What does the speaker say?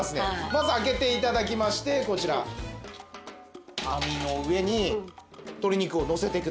まず開けて頂きましてこちら網の上に鶏肉をのせていくだけ。